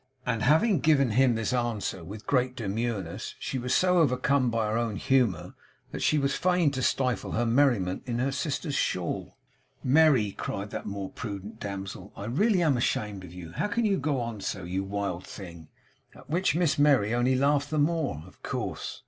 And having given him this answer with great demureness she was so overcome by her own humour, that she was fain to stifle her merriment in her sister's shawl. 'Merry,' cried that more prudent damsel, 'really I am ashamed of you. How can you go on so? You wild thing!' At which Miss Merry only laughed the more, of course.